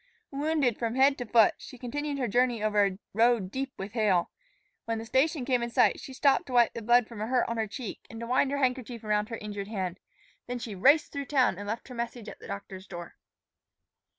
Wounded from head to foot, she continued her journey over a road deep with hail. When the station came in sight, she stopped to wipe the blood from a hurt on her cheek and to wind her handkerchief around her injured hand. Then she raced through town and left her message at the doctor's door.